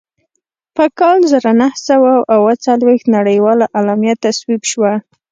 په کال زر نهه سوه اووه څلوېښت نړیواله اعلامیه تصویب شوه.